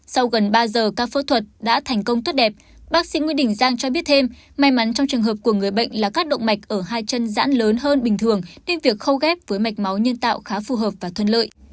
sau gần ba giờ ca phẫu thuật đã thành công tốt đẹp bác sĩ nguyễn đình giang cho biết thêm may mắn trong trường hợp của người bệnh là các động mạch ở hai chân dãn lớn hơn bình thường nên việc khâu ghép với mạch máu nhân tạo khá phù hợp và thuận lợi